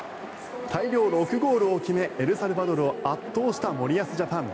大量６ゴールを決めエルサルバドルを圧倒した森保ジャパン。